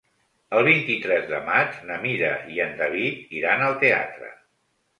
El vint-i-tres de maig na Mira i en David iran al teatre.